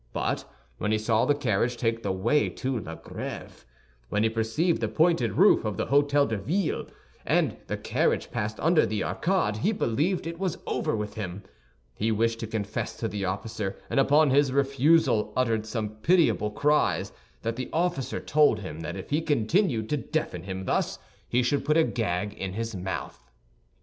But when he saw the carriage take the way to La Grêve, when he perceived the pointed roof of the Hôtel de Ville, and the carriage passed under the arcade, he believed it was over with him. He wished to confess to the officer, and upon his refusal, uttered such pitiable cries that the officer told him that if he continued to deafen him thus, he should put a gag in his mouth.